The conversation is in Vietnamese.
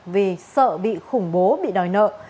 vì sợ bị khủng bố bị đòi nợ